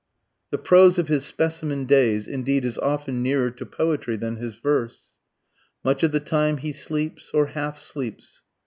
The prose of his "Specimen Days," indeed, is often nearer to poetry than his verse: Much of the time he sleeps, or half sleeps....